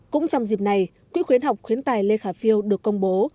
cũng trong dịp này quỹ khuyến học khuyến tài lê khả phiêu được công bố